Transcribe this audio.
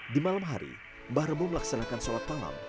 di malam hari mbah rebo melaksanakan sholat malam